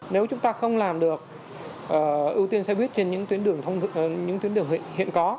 nếu chúng ta không làm được ưu tiên xe buýt trên những tuyến đường hiện có